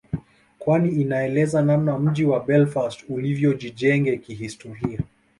kwani inaeleza namna mji wa Belfast ulivyojijenge kihistoria